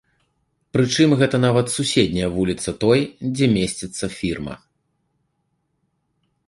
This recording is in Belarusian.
Прычым гэта нават суседняя вуліца той, дзе месціцца фірма.